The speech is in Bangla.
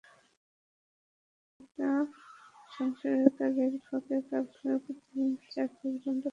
আবার নারী শ্রমিকেরা সংসারের কাজের ফাঁকে কারখানায় প্রতিদিন চার-পাঁচ ঘণ্টা কাজ করেন।